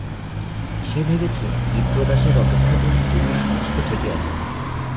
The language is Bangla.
সে ভেবেছে বিপ্রদাসের অপেক্ষাতেই কুমুর সমস্ত ঠেকে আছে।